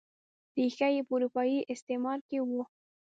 ریښه یې په اروپايي استعمار کې وه.